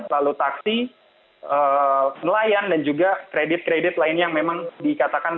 lalu taksi nelayan dan juga kredit kredit lainnya yang memang dikatakan